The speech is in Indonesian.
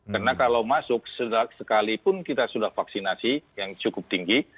karena kalau masuk sekalipun kita sudah vaksinasi yang cukup tinggi